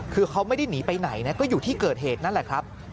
คือเขาไม่ได้หนีไปไหนนะก็อยู่ที่เกิดเหตุนั่นแหละครับ